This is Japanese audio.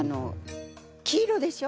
黄色でしょ。